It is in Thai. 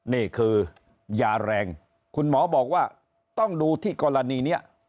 นี่คือยาแรงคุณหมอบอกว่าต้องดูที่กรณีนี้